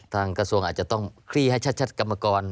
กระทรวงอาจจะต้องคลี่ให้ชัดกรรมกร